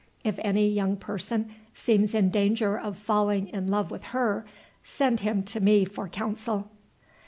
If any young person seems in danger of falling in love with her, send him to me for counsel."